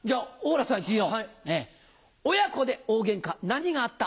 親子で大ゲンカ何があった？